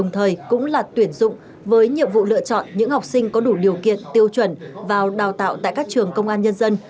nhiệm vụ lựa chọn những học sinh có đủ điều kiện tiêu chuẩn vào đào tạo tại các trường công an nhân dân